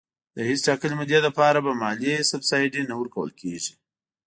د هیڅ ټاکلي مودې لپاره به مالي سبسایډي نه ورکول کېږي.